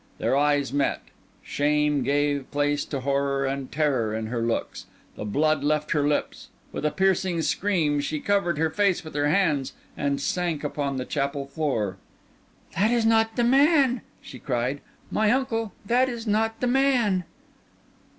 Their eyes met; shame gave place to horror and terror in her looks; the blood left her lips; with a piercing scream she covered her face with her hands and sank upon the chapel floor. "That is not the man!" she cried. "My uncle, that in not the man!"